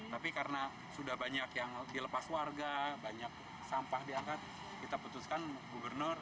tapi karena sudah banyak yang dilepas warga banyak sampah diangkat kita putuskan gubernur